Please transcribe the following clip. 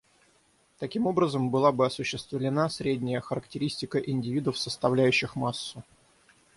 Таким образом была бы осуществлена средняя характеристика индивидов, составляющих массу.